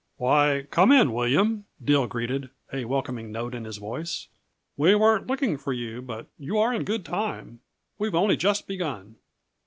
"Why, come in, William," Dill greeted, a welcoming note in his voice. "We weren't looking for you, but you are in good time. We've only just begun."